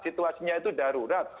situasinya itu darurat